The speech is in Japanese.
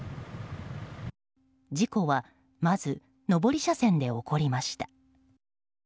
事故は、まず上り車線で起こりました。